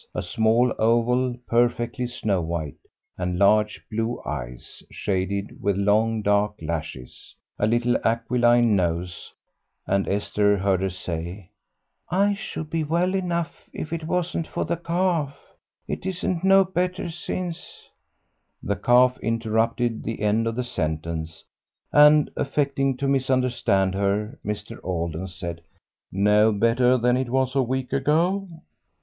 A small oval, perfectly snow white, and large blue eyes shaded with long dark lashes; a little aquiline nose; and Esther heard her say, "I should be well enough if it wasn't for the cough. It isn't no better since " The cough interrupted the end of the sentence, and affecting to misunderstand her, Mr. Alden said "No better than it was a week ago."